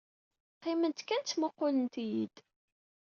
Qqiment kan ttmuqqulent-iyi-d.